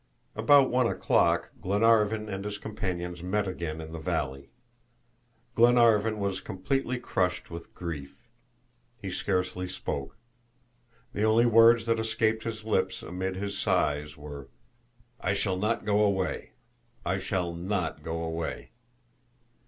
About one o'clock, Glenarvan and his companions met again in the valley. Glenarvan was completely crushed with grief. He scarcely spoke. The only words that escaped his lips amid his sighs were, "I shall not go away! I shall not go away!"